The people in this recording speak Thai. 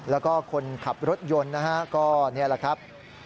แล้วก็คนขับรถยนต์นะฮะก็นี่แหละครับ